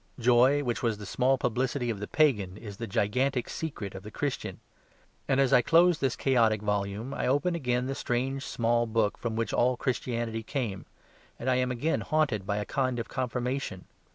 Joy, which was the small publicity of the pagan, is the gigantic secret of the Christian. And as I close this chaotic volume I open again the strange small book from which all Christianity came; and I am again haunted by a kind of confirmation.